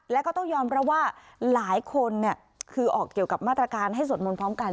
แล้วก็ต้องยอมรับว่าหลายคนคือออกเกี่ยวกับมาตรการให้สวดมนต์พร้อมกัน